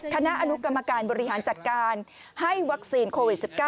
คณะอนุกรรมการบริหารจัดการให้วัคซีนโควิด๑๙